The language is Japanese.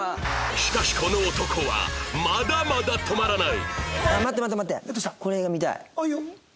しかしこの男はまだまだ止まらない！